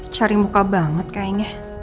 cari muka banget kayaknya